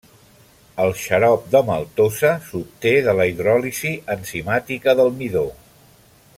El xarop de maltosa s’obté de la hidròlisi enzimàtica del midó.